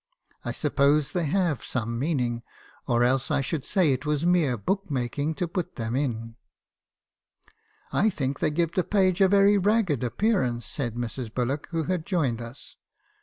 I suppose they have some meaning, or else I should say it was mere book making to put them in.' " 'I think they give the page a very ragged appearance,' said Mrs. Bullock, who had joined us.